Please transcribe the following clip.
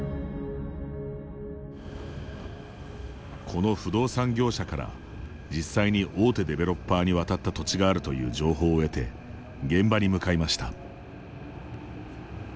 この不動産業者から実際に大手デベロッパーに渡った土地があるという情報を得て現場に向かいました。